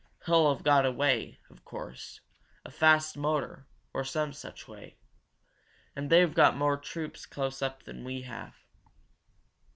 He'll have got away, of course a fast motor, or some such way. And they've got more troops close up than we have."